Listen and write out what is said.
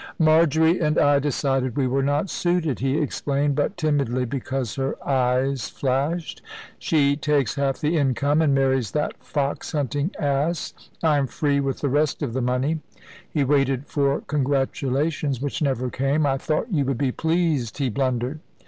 "Marjory and I decided we were not suited," he explained, but timidly, because her eyes flashed. "She takes half the income, and marries that fox hunting ass. I am free with the rest of the money"; he waited for congratulations which never came. "I thought you would be pleased," he blundered.